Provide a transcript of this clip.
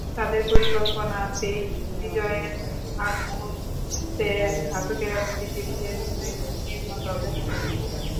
তাঁদের পরিকল্পনাতেই বিজয়ের আগমুহূর্তে ঘাতকেরা বুদ্ধিজীবীদের ধরে নিয়ে নির্মমভাবে হত্যা করে।